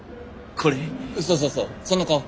そうそうそうその顔。